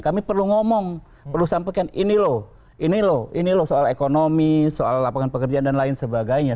kami perlu ngomong perlu sampaikan ini loh ini loh ini loh soal ekonomi soal lapangan pekerjaan dan lain sebagainya